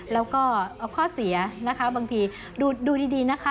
แล้วก็ข้อเสียนะคะบางทีดูดีนะคะ